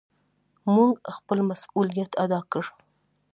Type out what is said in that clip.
مونږ خپل مسؤليت ادا کړ.